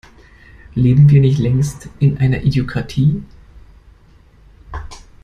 Leben wir nicht längst in einer Idiokratie?